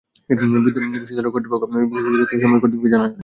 বিদ্যালয় কর্তৃপক্ষ বিষয়টি যথাযথ সময়ে কর্তৃপক্ষকে জানালে এমন অবস্থা হতো না।